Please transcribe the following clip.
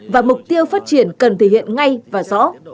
và mục tiêu phát triển cần thể hiện ngay và rõ